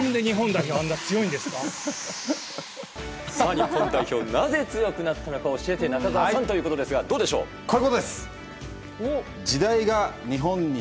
日本代表、なぜ強くなったのか教えて中澤さんということですがこういうことです。